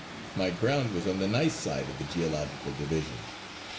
My ground was on the gneiss side of the geological division.